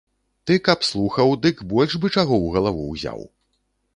Ты каб слухаў, дык больш бы чаго ў галаву ўзяў.